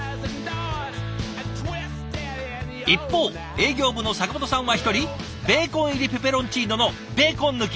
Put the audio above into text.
一方営業部の阪本さんは１人ベーコン入りペペロンチーノのベーコン抜き。